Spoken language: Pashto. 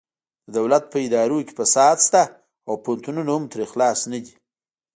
د دولت په ادارو کې فساد شته او پوهنتونونه هم ترې خلاص نه دي